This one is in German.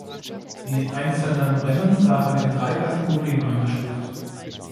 Die einzelnen Rennen waren in drei Kategorien eingestuft.